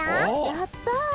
やった！